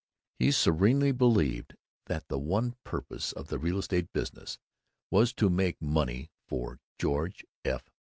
He serenely believed that the one purpose of the real estate business was to make money for George F.